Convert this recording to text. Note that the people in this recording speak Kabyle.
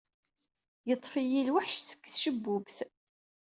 Yeḍḍef-iyi lweḥc seg tcebbubt.